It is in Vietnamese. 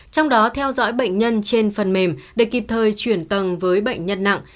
trong đó theo dõi bệnh nhân trên phần mềm để kịp thời chuyển tầng với bệnh nhân nặng